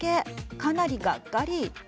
かなりがっかり。